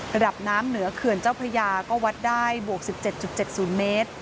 ระดับน้ำเหนือเขื่อนเจ้าพระยาก็วัดได้บวก๑๗๗๐เมตร